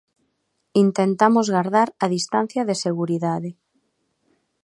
Intentamos gardar a distancia de seguridade.